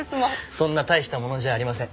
そんな大したものじゃありません。